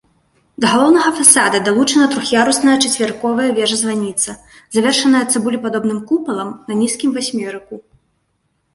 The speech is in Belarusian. Да галоўнага фасада далучана трох'ярусная чацверыковая вежа-званіца, завершаная цыбулепадобным купалам на нізкім васьмерыку.